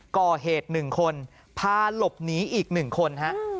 ก่อเหตุ๑คนพาหลบหนีอีก๑คนฮะ